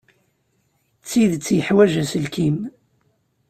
D tidet yeḥwaj aselkim.